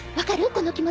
この気持ち。